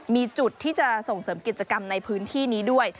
มีจุดที่จะส่งเสริมกิจกรรมในพื้นที่นี้ด้วย